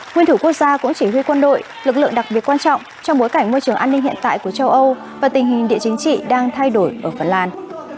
nguyên thủ quốc gia cũng chỉ huy quân đội lực lượng đặc biệt quan trọng trong bối cảnh môi trường an ninh hiện tại của châu âu và tình hình địa chính trị đang thay đổi ở phần lan